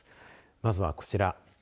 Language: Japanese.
まずは、こちら。